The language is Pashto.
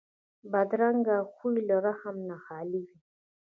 بدرنګه خوی له رحم نه خالي وي